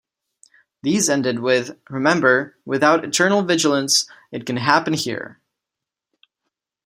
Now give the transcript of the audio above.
These ended with Remember: without eternal vigilance, it can happen here.